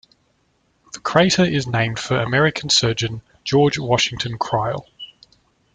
The crater is named for American surgeon, George Washington Crile.